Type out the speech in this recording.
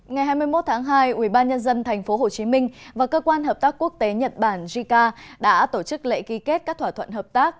ngày hai mươi một tháng hai ubnd tp hcm và cơ quan hợp tác quốc tế nhật bản jica đã tổ chức lễ ký kết các thỏa thuận hợp tác